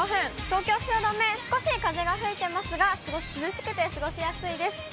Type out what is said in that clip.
東京・汐留、少し風が吹いてますが、涼しくて過ごしやすいです。